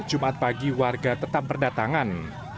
jumat pagi warga tetap berdatangan